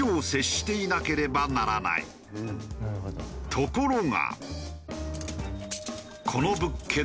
ところが。